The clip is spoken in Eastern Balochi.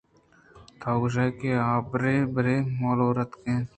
توگوٛشئے کہ آ برے برے ملور ءُابیتک اِنت